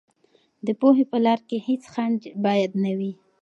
د پوهې په لار کې هېڅ خنډ باید نه وي.